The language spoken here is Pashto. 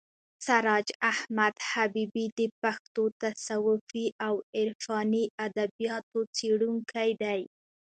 سراج احمد حبیبي د پښتو تصوفي او عرفاني ادبیاتو څېړونکی دی.